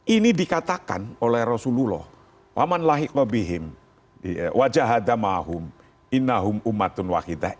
ini dikatakan oleh rasulullah